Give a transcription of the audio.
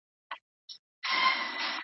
یوازې د واقعیت بیانول کافی نه دي.